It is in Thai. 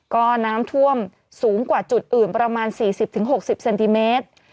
ก็น้ำท่วมสูงกว่าจุดอื่นประมาณ๔๐๖๐เซนติเมตร